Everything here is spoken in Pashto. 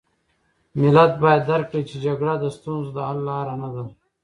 ملت باید درک کړي چې جګړه د ستونزو د حل لاره نه ده.